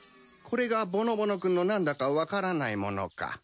これがぼのぼの君の何だか分からないものか。